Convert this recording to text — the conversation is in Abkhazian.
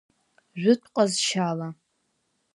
Жәытә ҟазшьала…